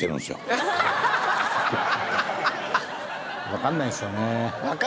分かんないんすよね。